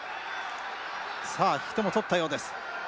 さあ引き手も取ったようです。